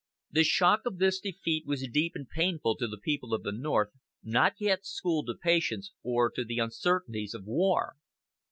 The shock of this defeat was deep and painful to the people of the North, not yet schooled to patience, or to the uncertainties of war.